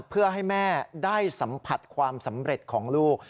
เพื่อให้แม่ได้สัมผัสความสำเร็จของลูก